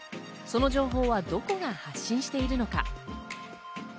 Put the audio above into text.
その情報はどこが発信しているのか。